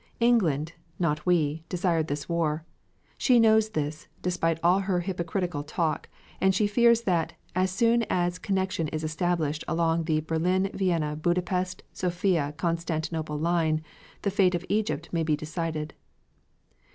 England, not we, desired this war. She knows this, despite all her hypocritical talk, and she fears that, as soon as connection is established along the Berlin Vienna Budapest Sofia Constantinople Line, the fate of Egypt may be decided.